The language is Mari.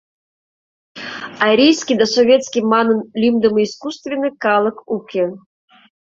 Арийский да Советский манын лӱмдымӧ искусственный калык уке.